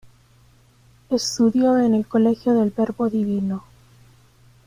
Estudió en el Colegio del Verbo Divino